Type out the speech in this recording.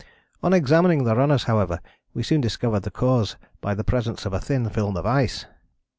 On examining the runners however we soon discovered the cause by the presence of a thin film of ice.